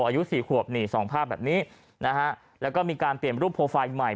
อายุ๔ขวบหนี๒ภาพแบบนี้นะฮะแล้วก็มีการเตรียมรูปโพลไฟล์ใหม่